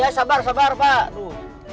ya sabar sabar pak